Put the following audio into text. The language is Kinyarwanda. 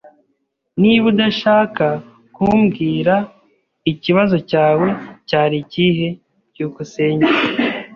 Niba udashaka kumbwira, ikibazo cyawe cyari ikihe? byukusenge